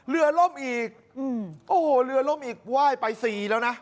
ล่มอีกโอ้โหเรือล่มอีกไหว้ไปสี่แล้วนะ